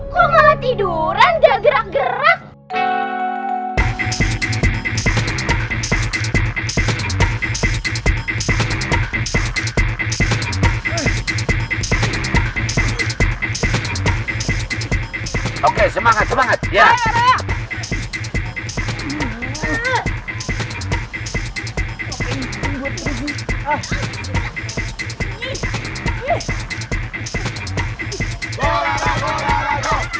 kok malah tiduran gak gerak gerak